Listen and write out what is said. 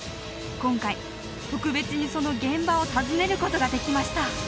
今回特別にその現場を訪ねることができました